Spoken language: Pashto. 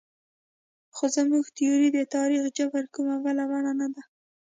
خو زموږ تیوري د تاریخ جبر کومه بله بڼه نه ده.